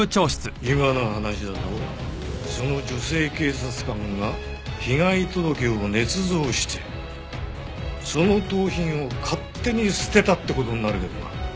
今の話だとその女性警察官が被害届を捏造してその盗品を勝手に捨てたって事になるけどな。